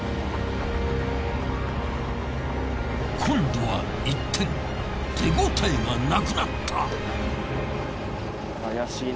今度は一転手応えがなくなった。